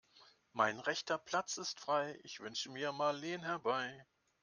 Mein rechter Platz ist frei, ich wünsche mir Marleen herbei.